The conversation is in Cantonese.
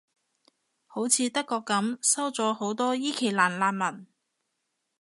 好似德國噉，收咗好多伊期蘭難民